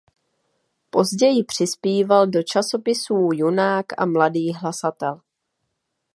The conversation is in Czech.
Později přispíval do časopisů Junák a Mladý hlasatel.